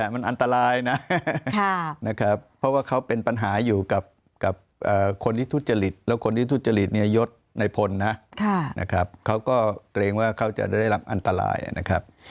มันอันตรายนะนะครับเพราะว่าเขาเป็นปัญหาอยู่กับคนที่ทุจริตแล้วคนที่ทุจริตเนี่ยยศในพลนะนะครับเขาก็เกรงว่าเขาจะได้รับอันตรายนะครับ